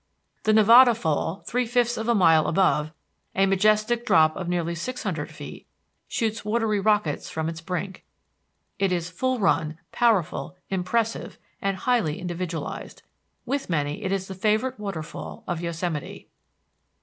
The Nevada Fall, three fifths of a mile above, a majestic drop of nearly six hundred feet, shoots watery rockets from its brink. It is full run, powerful, impressive, and highly individualized. With many it is the favorite waterfall of Yosemite.